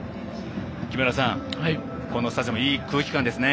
木村さん、このスタジアムいい空気感ですね。